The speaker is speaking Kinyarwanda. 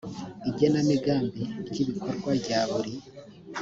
igenamigambi ry ibikorwa rya buri